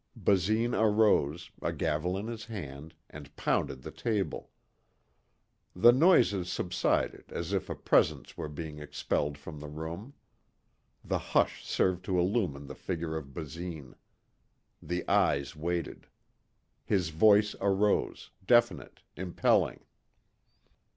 Basine arose, a gavel in his hand, and pounded the table. The noises subsided as if a presence were being expelled from the room. The hush served to illumine the figure of Basine. The eyes waited. His voice arose, definite, impelling.